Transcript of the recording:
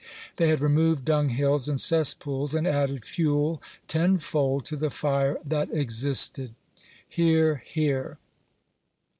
They had removed dunghills and cesspools, and added fuel tenfold to the fire (hat existed. (Hear, hear.)